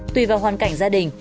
tùy vào hoàn cảnh gia đình